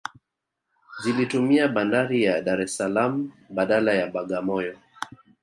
Zilitumia bandari ya Dar es Salaam badala ya Bagamoyo